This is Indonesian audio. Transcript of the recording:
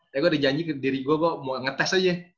tapi gue udah janji ke diri gue kok mau ngetes aja